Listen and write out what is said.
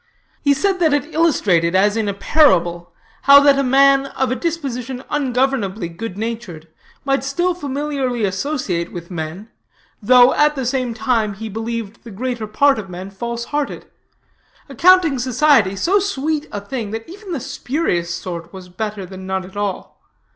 He said that it illustrated, as in a parable, how that a man of a disposition ungovernably good natured might still familiarly associate with men, though, at the same time, he believed the greater part of men false hearted accounting society so sweet a thing that even the spurious sort was better than none at all.